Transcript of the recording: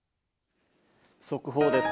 速報です。